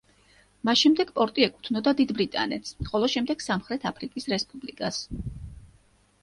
მას შემდეგ პორტი ეკუთვნოდა დიდ ბრიტანეთს, ხოლო შემდეგ სამხრეთ აფრიკის რესპუბლიკას.